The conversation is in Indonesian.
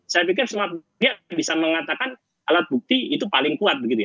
saya pikir semua bukti bisa mengatakan alat bukti itu paling kuat